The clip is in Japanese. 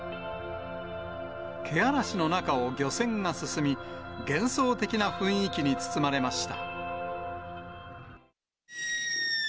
けあらしの中を漁船が進み、幻想的な雰囲気に包まれました。